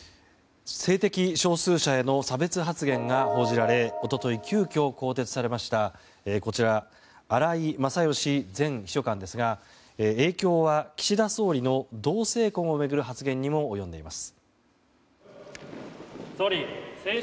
性的少数者への差別発言が報じられ一昨日、急きょ更迭されましたこちら、荒井勝喜前秘書官ですが影響は岸田総理の同性婚を巡る発言にも及んでいます。